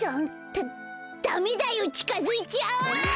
ダダメだよちかづいちゃあっ！